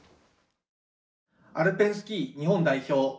アルペンスキー日本代表